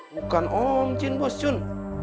bukan om jin bos jun